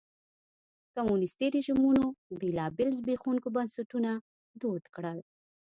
کمونیستي رژیمونو بېلابېل زبېښونکي بنسټونه دود کړل.